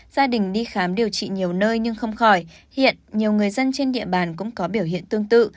gia đình đi khám điều trị nhiều nơi nhưng không khỏi hiện nhiều người dân trên địa bàn cũng có biểu hiện tương tự